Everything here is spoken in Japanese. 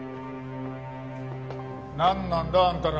なんなんだ？あんたら。